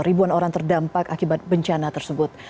ribuan orang terdampak akibat bencana tersebut